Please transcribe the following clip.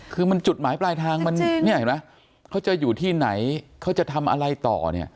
คือมันจุดหมายปลายทางเขาจะอยู่ที่ไหนเขาจะทำอะไรต่อเนี่ย